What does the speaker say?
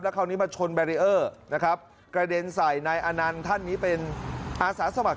แล้วคราวนี้มาชนนะครับกระเด็นใส่นายอานันท่านนี้เป็นอาสาสมัคร